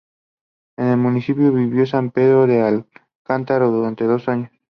En el municipio vivió San Pedro de Alcántara durante dos años.